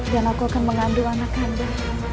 dan aku akan mengandung anak kanda